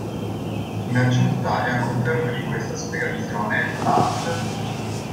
In aggiunta e a conferma di questa spiegazione, l'art.